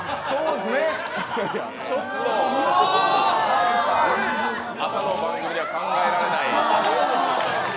ちょっと朝の番組では考えられない。